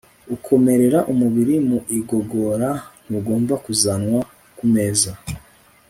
ukomerera umubiri mu igogora Ntugomba kuzanwa ku meza